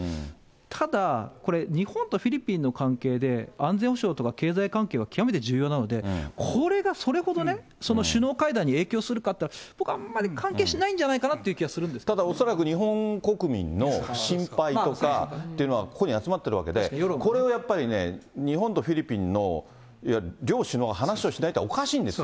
ただ、これ、日本とフィリピンの関係で、安全保障とか経済関係が極めて重要なので、これがそれほどね、首脳会談に影響するかっていうと、僕、あんまり関係してないんじゃただ恐らく、日本国民の心配とかっていうのはここに集まってるわけで、これをやっぱり日本とフィリピンの両首脳が話をしないとおかしいんですよ。